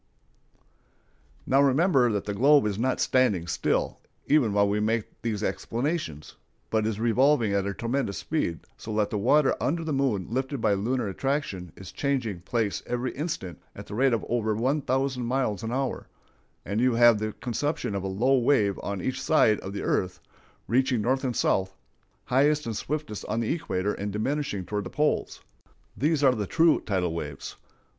Now remember that the globe is not standing still, even while we make these explanations, but is revolving at a tremendous speed, so that the water under the moon lifted by lunar attraction is changing place every instant at the rate of over one thousand miles an hour, and you have the conception of a low wave on each side of the earth, reaching north and south, highest and swiftest on the equator and diminishing toward the poles. These are the true tidal waves.